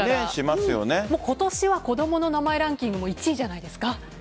今年は子供の名前ランキングも１位じゃないですか？